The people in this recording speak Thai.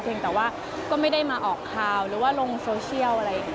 ยังแต่ว่าก็ไม่ได้มาออกข่าวหรือว่าลงโซเชียลอะไรอย่างนี้